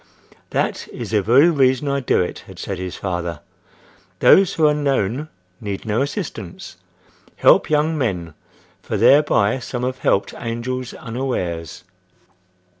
"That is the very reason I do it," had said his father. "Those who are known need no assistance. Help young men, for thereby some have helped angels unawares."